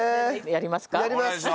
やります！